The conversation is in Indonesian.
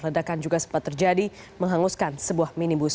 ledakan juga sempat terjadi menghanguskan sebuah minibus